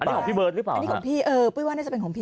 อันนี้ของพี่เบิร์ตหรือเปล่าอันนี้ของพี่เออปุ้ยว่าน่าจะเป็นของพี่